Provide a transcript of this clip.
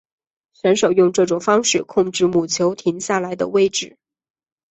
选手用这种方式控制母球停下来的位置。